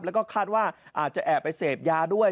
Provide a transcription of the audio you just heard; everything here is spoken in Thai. แล้วก็คาดว่าอาจจะแอบไปเสพยาด้วย